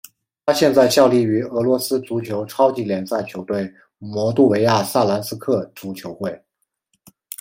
他现在效力于俄罗斯足球超级联赛球队摩度维亚萨兰斯克足球会。